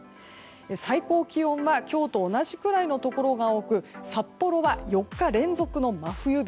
最高気温は今日と同じくらいのところが多く札幌は４日連続の真冬日。